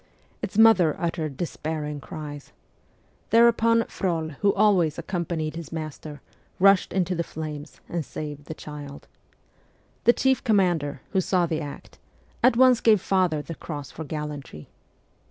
Its mother uttered despairing cries. There upon, Frol, who always accompanied his master, rushed into the flames and saved the child. The chief com mander, who saw the act, at once gave father the cross for gallantry.